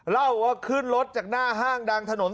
เล่าว่าขึ้นรถจากหน้าห้างดังถนน